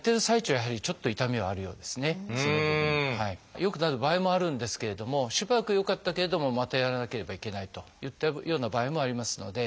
良くなる場合もあるんですけれどもしばらく良かったけれどもまたやらなければいけないといったような場合もありますので。